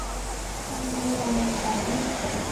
ความเป็นมาของ